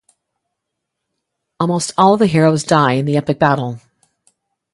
Almost all of the heroes die in the epic battle.